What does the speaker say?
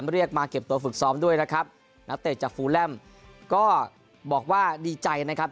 เรียกมาเก็บตัวฝึกซ้อมด้วยนะครับนักเตะจากฟูแลมก็บอกว่าดีใจนะครับ